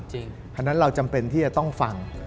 เพราะฉะนั้นเราจำเป็นที่จะต้องฟัง